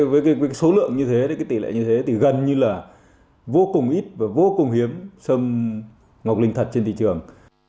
với cái số lượng như thế thì cái tỷ lệ như thế thì gần như là vô cùng ít và vô cùng hiếm xâm ngọc linh thật trên thị trường